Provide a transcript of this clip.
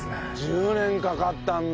１０年かかったんだ。